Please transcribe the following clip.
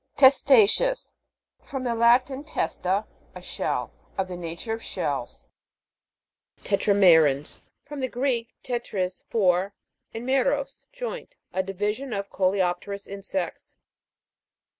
TESTA'CEOUS. From the Latin, testa, a shell. Of the nature of shells. TETRAME'RANS. From the Greek, tetteies, four, and meros, joint. A division of coleopterous insects.